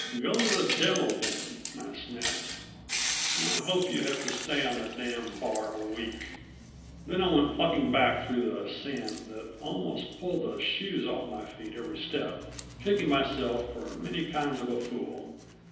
"Go to the devil, then!" I snapped. "I hope you have to stay on the damn' bar a week." Then I went plucking back through the sand that almost pulled the shoes off my feet every step, kicking myself for many kinds of a fool.